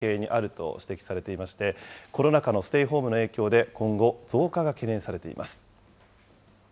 その食生活の変化などが背景にあると指摘されていまして、コロナ禍のステイホームの影響で、今後、増加が懸念されています。